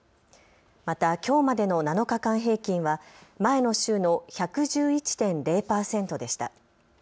また、きょうまでの７日間平均は前の週の１１１．０％でした。